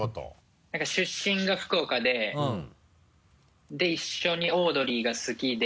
何か出身が福岡で一緒にオードリーが好きで。